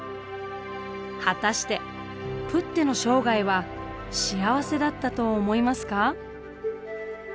果たしてプッテの生涯は幸せだったと思いますか？